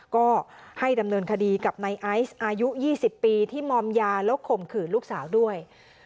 ก็ให้ดำเนินคดีกับนายไอซ์อายุ๒๐ปีที่มอมยาแล้วข่มขืนลูกสาวด้วย